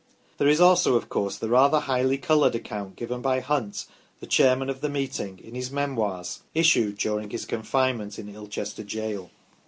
There is also, of course, the rather highly coloured account given by Hunt, the chairman of the meeting, in his " Memoirs," issued during his con finement in Ilchester jail.